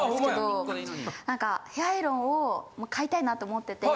あホンマやヘヤアイロンを買いたいなと思ってて。